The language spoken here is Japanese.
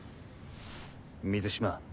水嶋